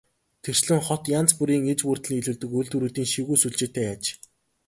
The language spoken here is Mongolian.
Тэрчлэн хот янз бүрийн иж бүрдэл нийлүүлдэг үйлдвэрүүдийн шигүү сүлжээтэй аж.